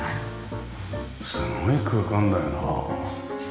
すごい空間だよな。